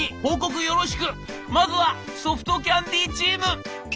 まずはソフトキャンディーチーム」。